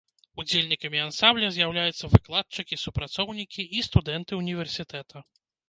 Удзельнікамі ансамбля з'яўляюцца выкладчыкі, супрацоўнікі і студэнты ўніверсітэта.